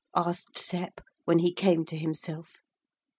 asked Sep when he came to himself.